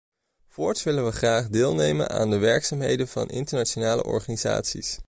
Voorts willen we graag deelnemen aan de werkzaamheden van internationale organisaties.